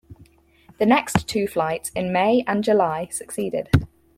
The next two flights in May and July succeeded.